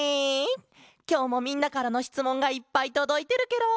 きょうもみんなからのしつもんがいっぱいとどいてるケロ。